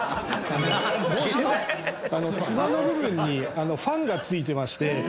帽子のつばの部分にファンが付いてまして。